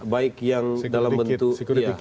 baik yang dalam bentuk